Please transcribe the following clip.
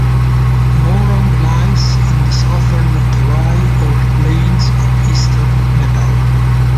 Morang lies in the southern Terai, or plains, of Eastern Nepal.